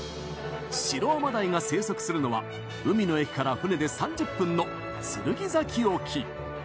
シロアマダイが生息するのは海の駅から船で３０分の剣崎沖。